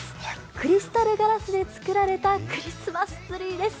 クリスタルガラスで作られたクリスマスツリーです。